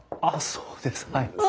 あっそうですはい。